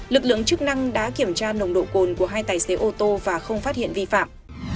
lực lượng chức năng đã kiểm tra nồng độ cồn của hai tài xế ô tô và không phát hiện vi phạm